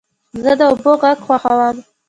زه د اوبو غږ خوښوم.